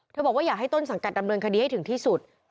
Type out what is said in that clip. บอกว่าอยากให้ต้นสังกัดดำเนินคดีให้ถึงที่สุด